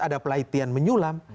ada pelatihan menyulam